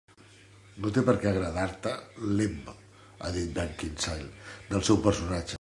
"No té perquè agradar-te l'Emma", ha dit Beckinsale del seu personatge.